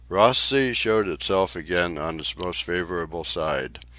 Ross Sea showed itself again on its most favourable side.